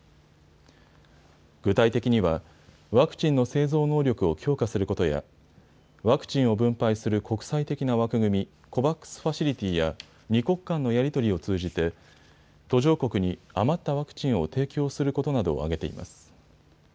具体的にはワクチンの製造能力を強化することやワクチンを分配する国際的な枠組み、ＣＯＶＡＸファシリティや２国間のやり取りを通じて途上国に余ったワクチンを提供することなどを挙げています。